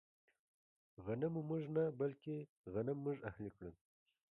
غنمو موږ نه، بلکې غنم موږ اهلي کړل.